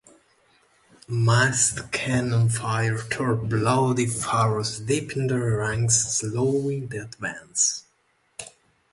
Massed cannon fire tore bloody furrows deep in their ranks, slowing the advance.